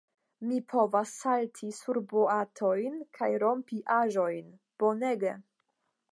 Mi povas salti sur boatojn, kaj rompi aĵojn. Bonege.